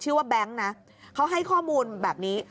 ชื่อว่าแบงค์นะเขาให้ข้อมูลแบบนี้